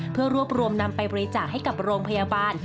เพื่อรวบรวมนำไปบริจาคให้กับโรงพยาบาล